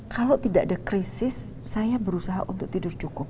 kalau tidak ada krisis saya berusaha untuk tidur cukup